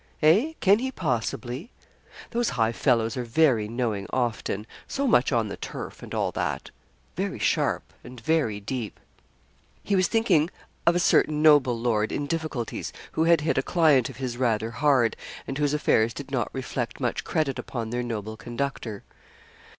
Eh, can he possibly? Those high fellows are very knowing often so much on the turf, and all that very sharp and very deep.' He was thinking of a certain noble lord in difficulties, who had hit a client of his rather hard, and whose affairs did not reflect much credit upon their noble conductor.